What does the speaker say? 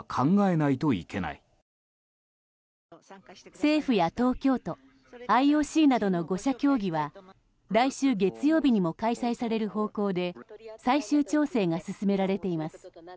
政府や東京都ＩＯＣなどの５者協議は来週月曜日にも開催される方向で最終調整が進められています。